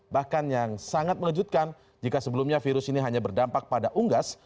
bahkan yang sangat mengejutkan jika sebelumnya virus ini hanya berdampak pada unggas